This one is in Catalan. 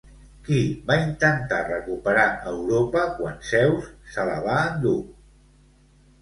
Qui va intentar recuperar Europa quan Zeus se la va endur?